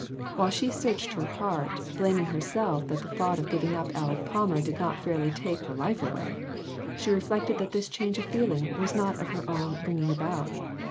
While she searched her heart, blaming herself that the thought of giving up Aleck Palmer did not fairly take her life away, she reflected that this change of feeling was not of her own bring ing about.